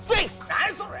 何やそれ！